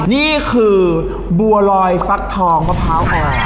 นี่คือบัวรอยฟังคกภาพ